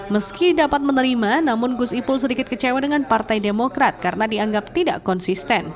meski dapat menerima namun gus ipul sedikit kecewa dengan partai demokrat karena dianggap tidak konsisten